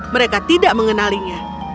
mereka tidak mengenalinya